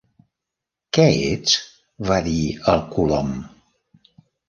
"Què ets?", va di el Colom.